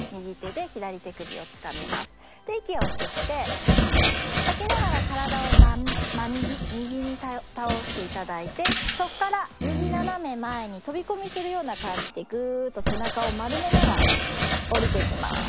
で息を吸って吐きながら体を真右右に倒して頂いてそこから右斜め前に飛び込みするような感じでグーッと背中を丸めながら下りていきます。